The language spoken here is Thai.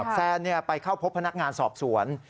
แซนไปเข้าพบพนักงานสอบสวน